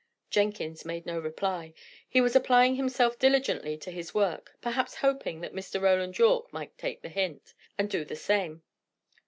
Jenkins made no reply. He was applying himself diligently to his work, perhaps hoping that Mr. Roland Yorke might take the hint, and do the same.